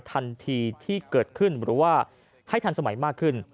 ทันทีที่เกิดขึ้นหรือว่าให้ทันสมัยมากขึ้น